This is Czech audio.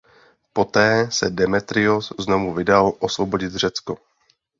Poté se Démétrios znovu vydal osvobodit Řecko.